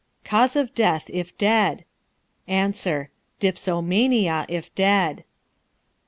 Cause of death, if dead? A. Dipsomania, if dead.